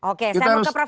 oke saya mau ke prof karim